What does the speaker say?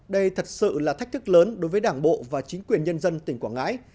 đây thật sự là thách thức lớn đối với đảng bộ và chính quyền nhân dân tỉnh quảng ngãi